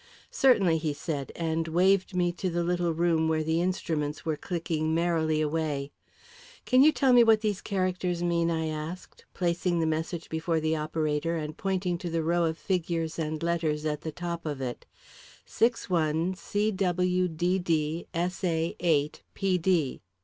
"Certainly," he said, and waved me to the little room where the instruments were clicking merrily away. "Can you tell me what these characters mean?" I asked, placing the message before the operator and pointing to the row of figures and letters at the top of it "61CWDDSA8PD."